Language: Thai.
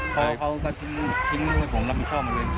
เขาก็ทิ้งลูกให้ผมรับมีชอบมาเลย